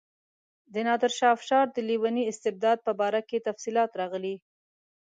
د نادرشاه افشار د لیوني استبداد په باره کې تفصیلات راغلي.